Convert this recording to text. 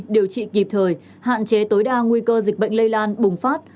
điều trị kịp thời hạn chế tối đa nguy cơ dịch bệnh lây lan bùng phát